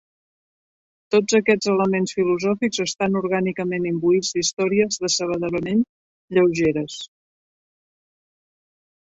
Tots aquests elements filosòfics estan orgànicament imbuïts d'històries decebedorament lleugeres.